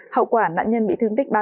hậu quả nạn nhân bị thương tích ba mươi